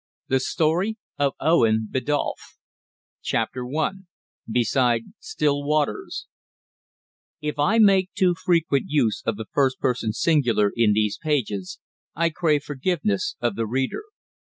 THE STORY OF OWEN BIDDULPH CHAPTER ONE BESIDE STILL WATERS If I make too frequent use of the first person singular in these pages, I crave forgiveness of the reader.